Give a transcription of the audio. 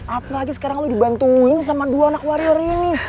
apa lagi sekarang lo dibantuin sama dua anak warior ini